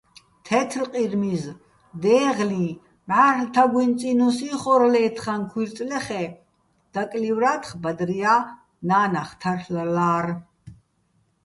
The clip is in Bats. თეთრყირმიზ, დეღლიჼ, მჵა́რლ' თაგუჲნი̆ წინუს იხორ ლე́თხაჼ ქუჲრწლეხ-ე́, დაკლივრა́თხ, ბადრია́ ნა́ნახ თარლ'ლა́რ.